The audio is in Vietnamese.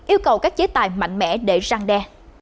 yêu cầu các chế tài mạnh mẽ để răng đe